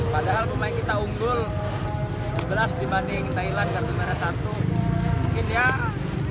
padahal pemain kita unggul beras dibanding thailand kartu mana satu